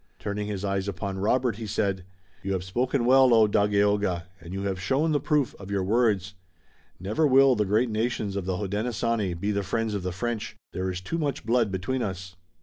Turning his eyes upon Robert, he said: "You have spoken well, O Dagaeoga, and you have shown the proof of your words. Never will the great nations of the Hodenosaunee be the friends of the French. There is too much blood between us."